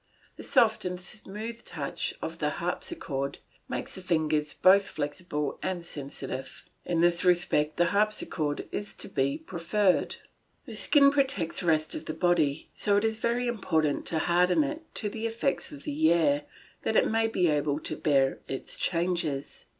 The soft and smooth touch of the harpsichord makes the fingers both flexible and sensitive. In this respect the harpsichord is to be preferred. The skin protects the rest of the body, so it is very important to harden it to the effects of the air that it may be able to bear its changes.